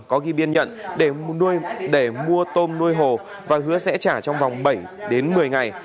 có ghi biên nhận để nuôi để mua tôm nuôi hồ và hứa sẽ trả trong vòng bảy đến một mươi ngày